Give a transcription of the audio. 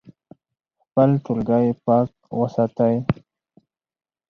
خپل ټولګی پاک وساتئ.